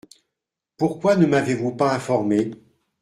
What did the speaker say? Pourquoi ne m’avez-vous pas informé ?